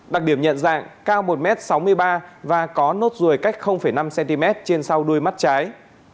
đặc điểm nhận dạng cao một m sáu mươi ba và có nốt ruồi cách năm cm trên sau đuôi mắt trái